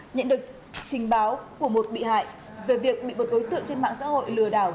nhận được trình báo của một bị hại về việc bị một đối tượng trên mạng xã hội lừa đảo